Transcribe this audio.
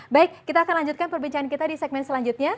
baik kita akan lanjutkan perbincangan kita di segmen selanjutnya